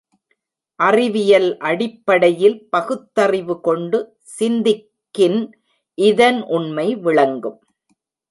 அறிவியல் அடிப்படையில் பகுத்தறிவு கொண்டு சிந்திக்கின் இதன் உண்மை விளங்கும்.